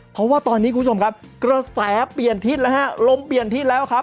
เพราะว่าตอนนี้คุณผู้ชมครับกระแสเปลี่ยนทิศแล้วฮะลมเปลี่ยนทิศแล้วครับ